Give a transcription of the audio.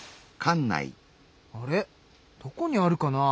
あれどこにあるかな？